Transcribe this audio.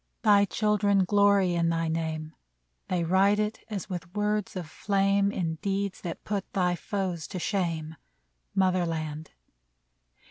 Thy children glory in thy name ; They write it, as with words of flame, In deeds that put thy foes to shame, • Mother land